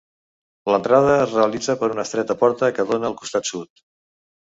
L'entrada es realitza per una estreta porta que dóna al costat sud.